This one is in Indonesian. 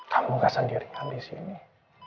kamu gak sendirian disini